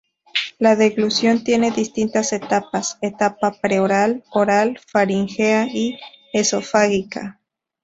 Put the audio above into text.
La deglución tiene distintas etapas, etapa pre-oral, oral, faríngea y esofágica.